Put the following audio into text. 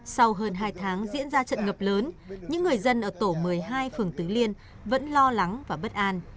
sau hơn hai tháng diễn ra trận ngập lớn những người dân ở tổ một mươi hai phường tứ liên vẫn lo lắng và bất an